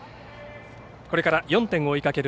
これから４点を追いかける